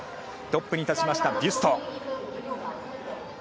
トップに立ちましたビュスト。